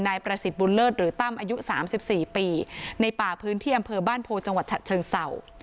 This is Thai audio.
นายประสิทธิ์บุญเลิศหรือตั้มอายุ๓๔ปีในป่าพื้นที่อำเภอบ้านโพจังหวัดฉะเชิงเศร้า